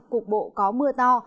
cục bộ có mưa to